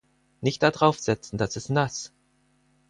Nicht da drauf setzen, dass ist nass.